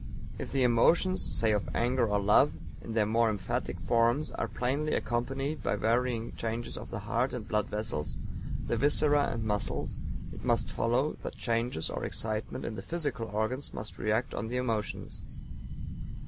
If "the emotions, say of anger or love, in their more emphatic forms, are plainly accompanied by varying changes of the heart and blood vessels, the viscera and muscles," it must follow that changes or excitement in the physical organs must react on the emotions.